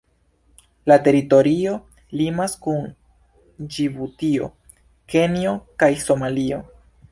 La teritorio limas kun Ĝibutio, Kenjo kaj Somalio.